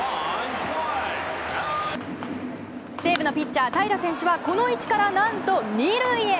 西武のピッチャー、平良選手はこの位置から何と２塁へ。